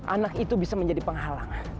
anak itu bisa menjadi penghalang